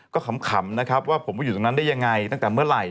ก็ขำนะครับว่าผมไปอยู่ตรงนั้นได้ยังไงตั้งแต่เมื่อไหร่